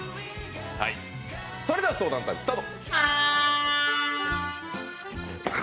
それでは相談タイム、スタート。